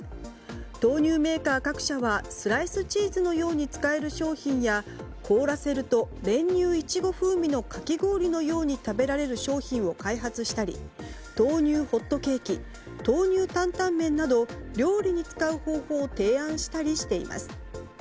豆乳メーカー各社はスライスチーズのように使える商品や凍らせると練乳イチゴ風味のかき氷のように食べられる商品を開発したり豆乳ホットケーキ豆乳担々麺など料理に使う方法などを提案したりしています。